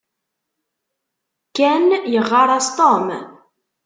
Ken yeɣɣar-as Tom.